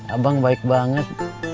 abang baik banget